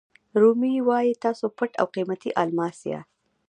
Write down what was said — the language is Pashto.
رومي وایي تاسو پټ او قیمتي الماس یاست.